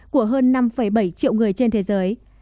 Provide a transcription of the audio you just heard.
của hơn năm bảy triệu người trên thế giới